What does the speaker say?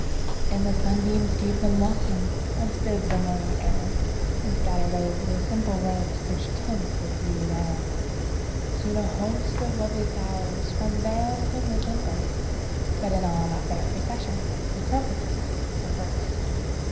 And the sunbeams gave them welcome. As did the morning air And scattered o'er their simple robes Rich tints of beauty rare. Soon a host of lovely flowers From vales and woodland burst; But in all that fair procession The crocuses were first.